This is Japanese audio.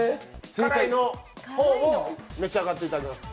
辛い方を召し上がっていただきます。